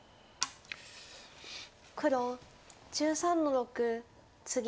黒１３の六ツギ。